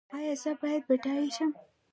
ایا زه باید بډای شم؟